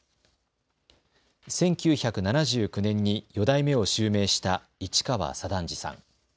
１９７９年に四代目を襲名した市川左團次さん。